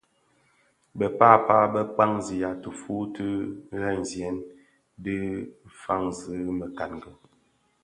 Bë pääpa bë kpaňzigha tifuu ti ghemzyèn dhi faňzi mekangi.